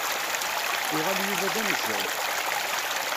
Yuɣal Yuba d amejjay.